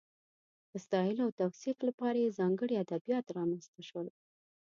د ستایلو او توصیف لپاره یې ځانګړي ادبیات رامنځته شول.